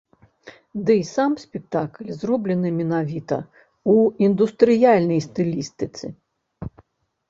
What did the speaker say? Дый сам спектакль зроблены менавіта ў індустрыяльнай стылістыцы.